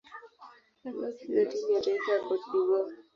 Aliwahi kucheza timu ya taifa ya Cote d'Ivoire.